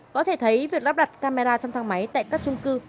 có thể thấy việc lắp đặt camera trong thang máy tại các trung cư